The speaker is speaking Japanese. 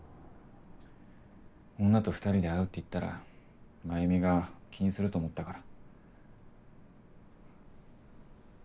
女と２人で会うって言ったら繭美が気にすると思ったから。